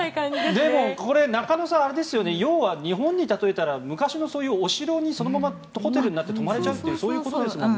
でも中野さん要は日本に例えたら昔のお城がそのままホテルになって泊まれるというそういうことですよね。